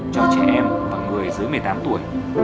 cho trẻ em và người dưới một mươi tám tuổi